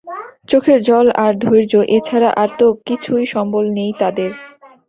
চোখের জল আর ধৈর্য, এ ছাড়া আর তো কিছুই সম্বল নেই তাদের।